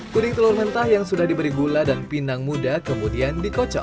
kuning telur mentah yang sudah diberi gula dan pinang muda kemudian dikocok